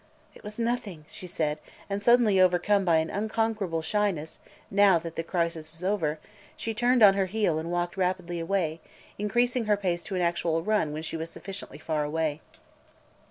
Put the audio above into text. "It was nothing!" she said and, suddenly overcome by an unconquerable shyness, now that the crisis was over, she turned on her heel and walked rapidly away, increasing her pace to an actual run when she was sufficiently far away.